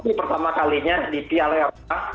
ini pertama kalinya di piala eropa